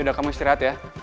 udah kamu istirahat ya